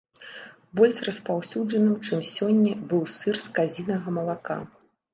Больш распаўсюджаным, чым сёння, быў сыр з казінага малака.